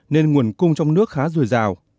nên nguồn cung trong nước khá rùi rào